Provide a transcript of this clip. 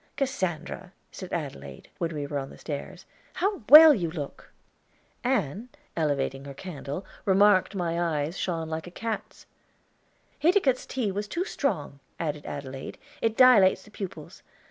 "Cassandra," said Adelaide, when we were on the stairs, "how well you look!" Ann, elevating her candle, remarked my eyes shone like a cat's. "Hiticutt's tea was too strong," added Adelaide; "it dilates the pupils.